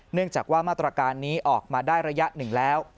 เนื่องจากว่ามาตรการนี้ออกมาได้ระยะหนึ่งแล้ว